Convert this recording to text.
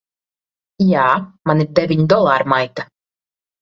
Jā. Man ir deviņi dolāri, maita!